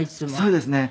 「そうですね。